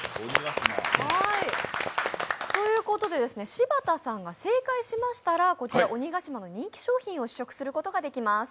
柴田さんが正解しましたら鬼ヶ島の人気商品を試食することができます。